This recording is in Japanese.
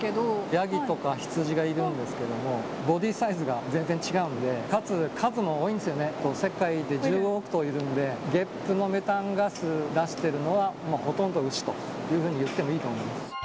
ヤギとか羊がいるんですけども、ボディーサイズが全然違うんで、かつ、数も多いんですよね、世界で１５億頭いるんで、ゲップのメタンガス出してるのは、ほとんど牛というふうに言ってもいいと思います。